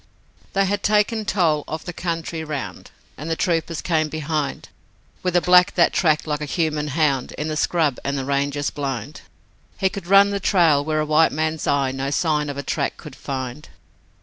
They had taken toll of the country round, And the troopers came behind With a black that tracked like a human hound In the scrub and the ranges blind: He could run the trail where a white man's eye No sign of a track could find.